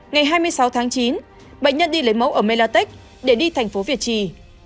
ngày hai mươi sáu tháng chín bệnh nhân đi lấy mẫu ở melatech để đi thành phố việt trì